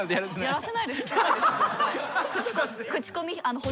やらせないです。